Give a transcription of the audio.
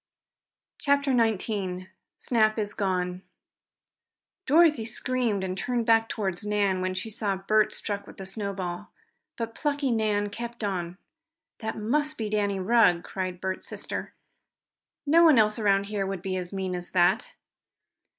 CHAPTER XIX SNAP IS GONE Dorothy screamed, and turned back toward Nan when she saw Bert struck with the snowball. But plucky Nan kept on. "That must be Danny Rugg!" cried Bert's sister. "No one else around here would be as mean as that!"